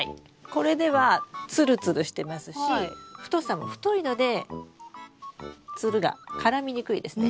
これではツルツルしてますし太さも太いのでツルが絡みにくいですね。